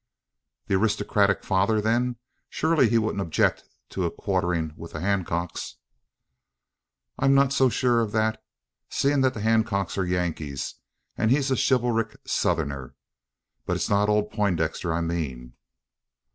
"The aristocratic father, then? Surely he wouldn't object to a quartering with the Hancocks?" "I'm not so sure of that; seeing that the Hancocks are Yankees, and he's a chivalric Southerner! But it's not old Poindexter I mean."